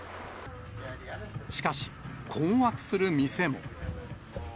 しかし、困惑する店も。